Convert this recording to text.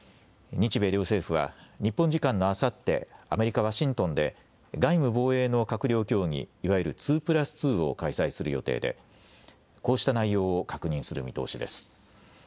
日米両政府は日本時間のあさってアメリカ・ワシントンで外務・防衛の閣僚協議いわゆる２プラス２を開催する予定でこうした内容を確認する見通しです。